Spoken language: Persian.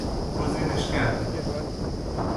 گزینشگر